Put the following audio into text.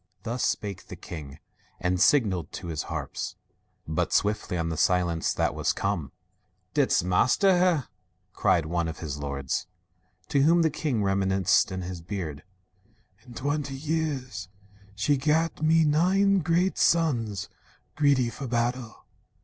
' Thus spake the king, and signalled to his harps; But swiftly on the silence that was come, "Didst master her?" cried one among his lords. To whom the king, rem'niscent in his beard: "In twenty years she gat me nine great sons, Greedy for battle."